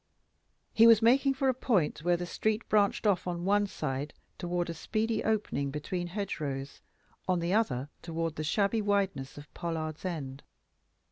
He was making for a point where the street branched off on one side toward a speedy opening between hedgerows, on the other toward the shabby wideness of Pollard's End.